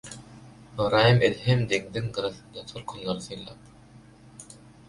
Ybraýym Edhem deňziň gyrasynda tolkunlary synlap